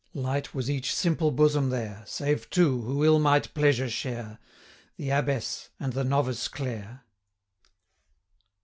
Light was each simple bosom there, Save two, who ill might pleasure share, The Abbess, and the Novice Clare.